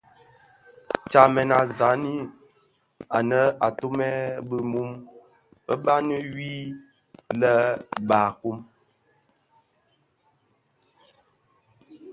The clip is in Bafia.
Tsamèn a zaňi anë atumè bi mum baňi wii lè barkun.